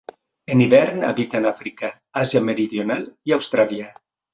En hivern habita en Àfrica, Àsia Meridional i Austràlia.